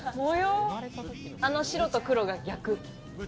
あの白と黒が逆。